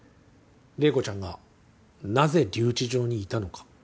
麗子ちゃんがなぜ留置場にいたのか。